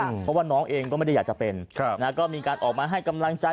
เพราะว่าน้องเองก็ไม่ได้อยากจะเป็นก็มีการออกมาให้กำลังใจ